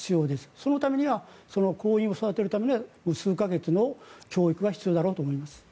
そのためにはその工員を育てるためには数か月の教育が必要だろうと思います。